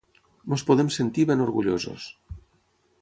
Ens podem sentir ben orgullosos.